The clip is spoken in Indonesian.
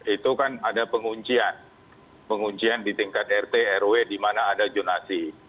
itu kan ada penguncian penguncian di tingkat rt rw di mana ada jonasi